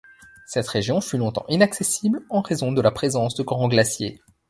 Cette région fut longtemps inaccessible, en raison de la présence de grands glaciers.